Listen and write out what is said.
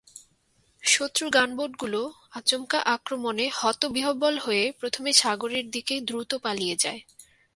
শত্রু গানবোটগুলো আচমকা আক্রমণে হতবিহ্বল হয়ে প্রথমে সাগরের দিকে দ্রুত পালিয়ে যায়।